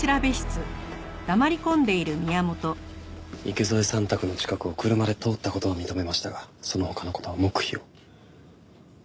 池添さん宅の近くを車で通った事は認めましたがその他の事は黙秘を。